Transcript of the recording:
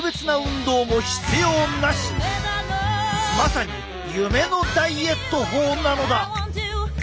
まさに夢のダイエット法なのだ！